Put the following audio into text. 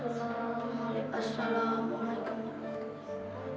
assalamualaikum warahmatullahi wabarakatuh